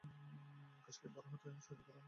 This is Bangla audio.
ঘাসকে বড় হতে সাহায্য করে কোনটা?